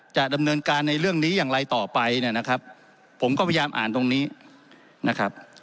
จะดำเนินการในเรื่องนี้อย่างไรต่อไปเนี่ยนะครับผมก็พยายามอ่านตรงนี้นะครับ